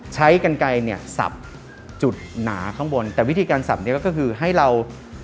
ใช้กันไกลเนี่ยสับจุดหนาข้างบนแต่วิธีการสับเนี้ยก็คือให้เรา